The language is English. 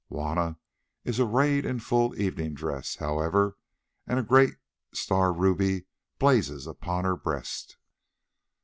Juanna is arrayed in full evening dress, however, and a great star ruby blazes upon her breast.